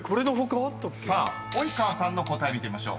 ［さあ及川さんの答え見てみましょう］